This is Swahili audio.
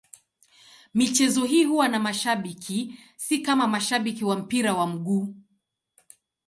Michezo hii huwa na mashabiki, si kama mashabiki wa mpira wa miguu.